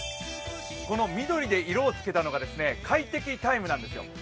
緑で色を着けたのが快適タイムなんですよ。